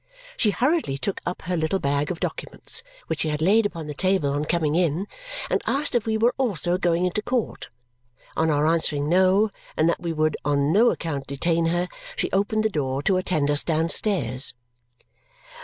She hurriedly took up her little bag of documents, which she had laid upon the table on coming in, and asked if we were also going into court. On our answering no, and that we would on no account detain her, she opened the door to attend us downstairs.